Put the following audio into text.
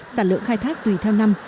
sản lượng khai thác tùy theo năm